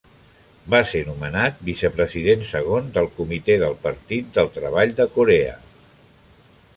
Va ser nomenat vicepresident segon del Comitè del Partit del Treball de Corea.